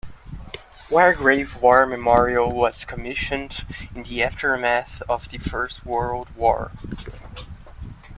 Wargrave War Memorial was commissioned in the aftermath of the First World War.